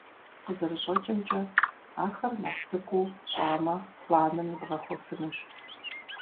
КъызэрыщӀэкӀымкӀэ, ахэр нэхъ цӀыкӀуу щӀамэ, планым ибгъэхуэфынущ.